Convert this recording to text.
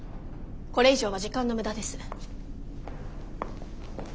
これ以上は時間の無駄です。